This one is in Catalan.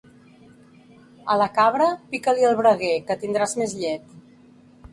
A la cabra, pica-li el braguer, que tindràs més llet.